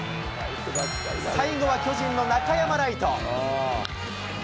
最後は巨人の中山礼都。